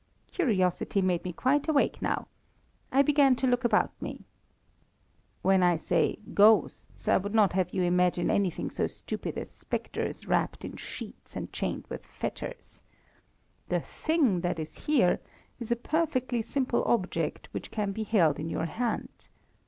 Curiosity made me quite awake now. I began to look about me. "When I say ghosts, I would not have you imagine anything so stupid as spectres wrapped in sheets and chained with fetters. The thing that is here is a perfectly simple object which can be held in your hand.